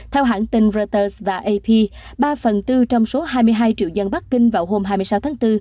theo hãng tin reuters và ap ba phần tư trong số hai mươi hai triệu dân bắc kinh vào hôm hai mươi sáu tháng bốn